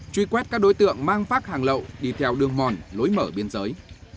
truy quét các đối tượng mang vác hàng lậu đi theo đường mòn lối mở biên giới